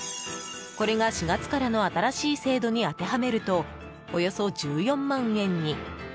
これが４月からの新しい制度に当てはめると、およそ１４万円に。